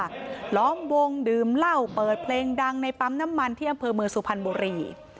ล้อมวงดื่มเหล้าเปิดเพลงดังในปั๊มน้ำมันที่อำเภอเมืองสุพรรณบุรี